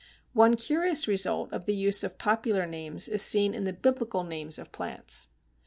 One curious result of the use of popular names is seen in the Biblical names of plants.